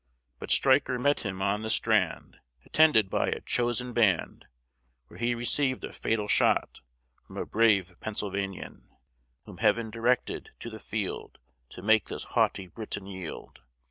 But Striker met him on the strand, Attended by a chosen band, Where he received a fatal shot From a brave Pennsylvanian Whom Heaven directed to the field, To make this haughty Briton yield.